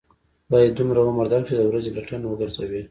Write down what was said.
خدای دې دومره عمر در کړي، چې د ورځې لټن و گرځوې.